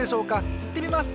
いってみます！